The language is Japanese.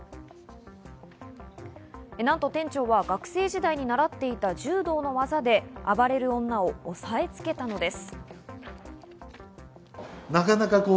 なんと店長は学生時代に習っていた柔道の技で暴れる女を押さえつけたのです。